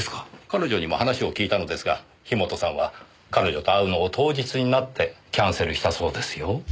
彼女にも話を聞いたのですが樋本さんは彼女と会うのを当日になってキャンセルしたそうですよ。